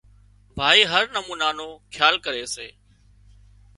ڀائي هر نُمونا نو کيال ڪري سي